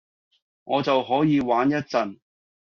我就可以玩一陣